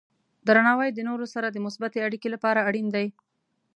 درناوی د نورو سره د مثبتې اړیکې لپاره اړین دی.